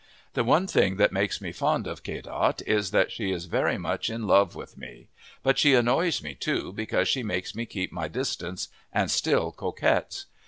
The one thing that makes me fond of Kadott is that she is very much in love with me; but she annoys me, too, because she makes me keep my distance and still coquettes.